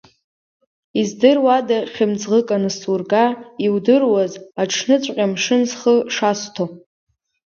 Издыруада хьымӡӷык ансурга, иудыруаз аҽныҵәҟьа амшын схы шасҭо!